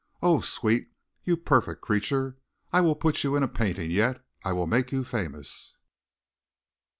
Oh, sweet, you perfect creature! I will put you in a painting yet. I will make you famous."